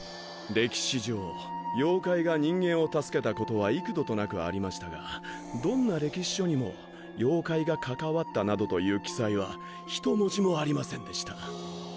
歴史上妖怪が人間を助けたことは幾度となくありましたがどんな歴史書にも妖怪が関わったなどという記載は一文字もありませんでした。